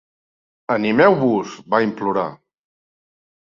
"Animeu-vos!", va implorar.